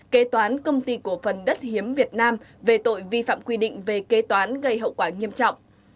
kế toán công ty cổ phần đất hiếm việt nam về tội vi phạm quy định về kế toán gây hậu quả nghiêm trọng